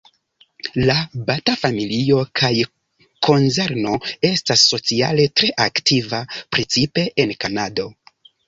La Bata-familio kaj konzerno estas sociale tre aktiva, precipe en Kanado.